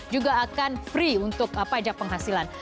juga akan free untuk pajak penghasilan